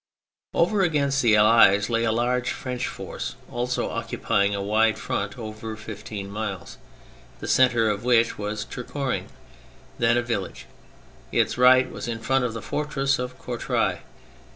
Over against the Allies lay a large French force also occupying a wide front of over fifteen miles, the centre of which was Tourcoing, then a village. Its right was in front of the fortress of Courtrai.